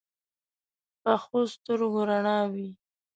پخو سترګو رڼا وي